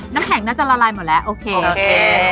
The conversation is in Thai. น้ำแข็งน่าจะละลายหมดแล้วโอเคโอเค